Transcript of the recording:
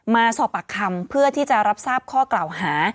มาสอบปากคำเพื่อที่จะรับทราบข้อกล่าวหา